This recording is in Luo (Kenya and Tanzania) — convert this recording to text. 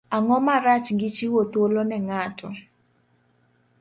Ang'o marach gi chiwo thuolo ne ng'ato?